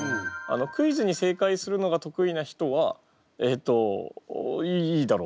クイズに正解するのが得意な人はえっといいだろう